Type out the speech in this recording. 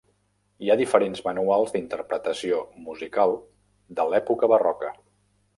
Hi ha diferents manuals d'interpretació musical de l'època barroca.